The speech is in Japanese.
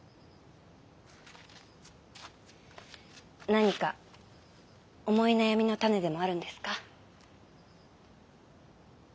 何か思い悩みの種でもあるんですか？